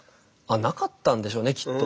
なかったんでしょうねきっと。